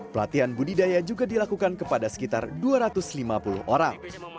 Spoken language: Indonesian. pelatihan budidaya juga dilakukan kepada sekitar dua ratus lima puluh orang